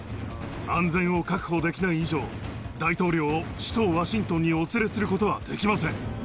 安全を確保できない以上、大統領を首都ワシントンにお連れすることはできません。